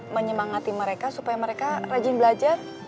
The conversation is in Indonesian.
menyemangati mereka supaya mereka rajin belajar